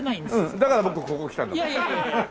だから僕ここ来たんだもん。